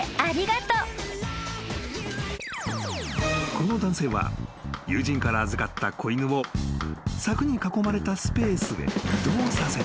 ［この男性は友人から預かった子犬を柵に囲まれたスペースへ移動させたい］